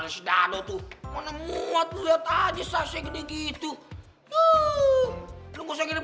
ada sedang tuh mana muat lihat aja sasnya gede gitu tuh lu nggak usah nginep